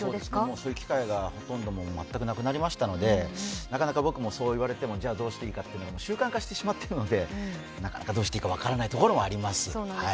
そういう機会が全くなくなりましたので、そう言われてもじゃあどうしていいかというのが習慣化してしまっているのでなかなかどうしていいか分からないところもあります。